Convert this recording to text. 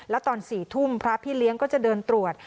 แล้วตอน๔ทุ่มพระพี่เลี้ยงก็จะเดินตรวจ